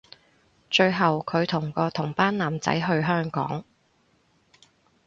最後距同個同班男仔去香港